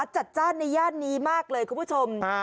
จัดจ้านในย่านนี้มากเลยคุณผู้ชม